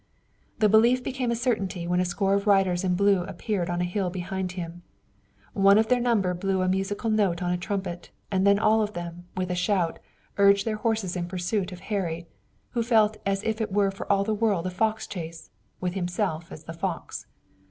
The belief became a certainty when a score of riders in blue appeared on a hill behind him. One of their number blew a musical note on a trumpet, and then all of them, with a shout, urged their horses in pursuit of Harry, who felt as if it were for all the world a fox chase, with himself as the fox.